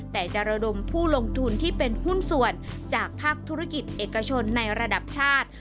แต่จะระดมผู้ลงทุนที่เป็นหุ้นส่วนจากภาคธุรกิจเอกชนในระดับชาติ